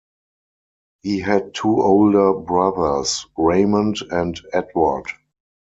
He had two older brothers, Raymond and Edward.